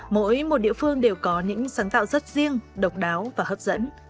mỗi một địa phương đều có những sáng tạo rất riêng độc đáo và hấp dẫn